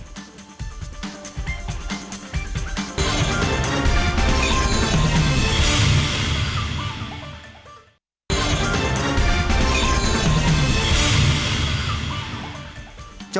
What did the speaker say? hidup dengan coy